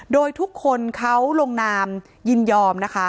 โดยทุกคนเขาลงนามยินยอมนะคะ